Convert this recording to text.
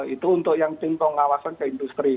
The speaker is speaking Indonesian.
itu untuk yang tim pengawasan ke industri